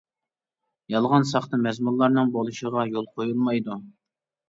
يالغان، ساختا مەزمۇنلارنىڭ بولۇشىغا يول قويۇلمايدۇ.